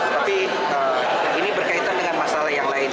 tapi ini berkaitan dengan masalah yang lain